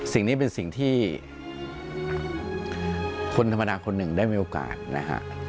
สิ่งนี้เป็นสิ่งที่คนธรรมดาคนหนึ่งได้มีโอกาสนะฮะ